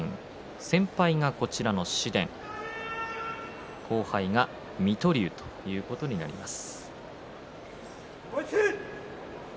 先輩が紫雷、後輩が水戸龍ということになります。